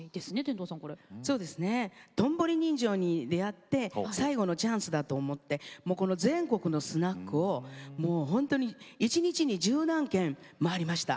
「道頓堀人情」に出会って最後のチャンスだと思って全国のスナックをもう本当に１日に十何軒回りました。